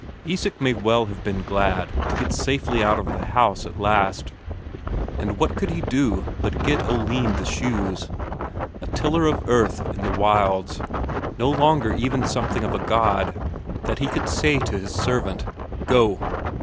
Isak may well have been glad to get safely out of the house at last. And what could he do but get Oline the shoes? A tiller of earth in the wilds; no longer even something of a god, that he could say to his servant, "Go!"